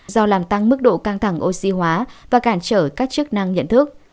do làm tăng mức độ căng thẳng oxy hóa và cản trở các chức năng nhận thức